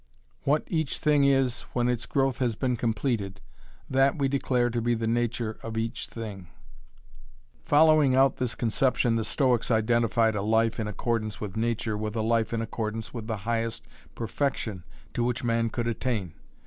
'What each thing is when its growth has been completed, that we declare to be the nature of each thing'. Following out this conception the Stoics identified a life in accordance with nature with a life in accordance with the highest perfection to which man could attain.